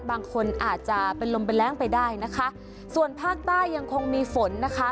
บางคนอาจจะเป็นลมเป็นแรงไปได้นะคะส่วนภาคใต้ยังคงมีฝนนะคะ